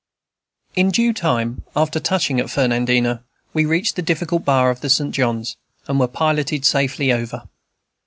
In due time, after touching at Fernandina, we reached the difficult bar of the St. John's, and were piloted safely over.